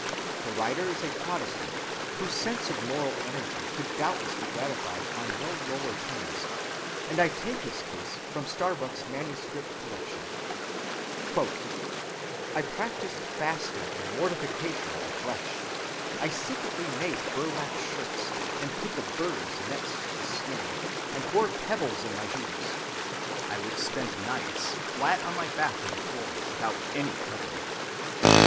The writer is a Protestant, whose sense of moral energy could doubtless be gratified on no lower terms, and I take his case from Starbuck's manuscript collection. "I practiced fasting and mortification of the flesh. I secretly made burlap shirts, and put the burrs next the skin, and wore pebbles in my shoes. I would spend nights flat on my back on the floor without any covering."